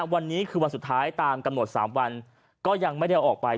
วันนี้คือวันสุดท้ายตามกำหนด๓วันก็ยังไม่ได้เอาออกไป